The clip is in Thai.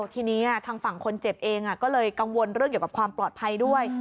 ทีนี้ทางฝั่งคนเจ็บเองก็เลยกังวลเรื่องเกี่ยวกับความปลอดภัยด้วย